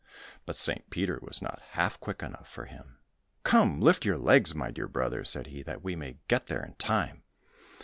But St. Peter was not half quick enough for him, "Come, lift your legs, my dear brother," said he, "that we may get there in time."